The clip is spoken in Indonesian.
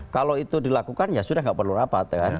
kalau itu dilakukan ya sudah tidak perlu rapat kan